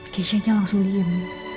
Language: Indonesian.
keishanya langsung diem